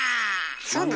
そうなの？